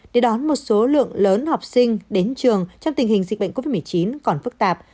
để đón một số lượng lớn học sinh đến trường trong tình hình dịch bệnh covid một mươi chín còn phức tạp